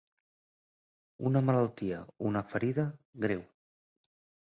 Una malaltia, una ferida, greu.